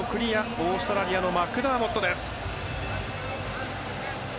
オーストラリアのマクダーモットです。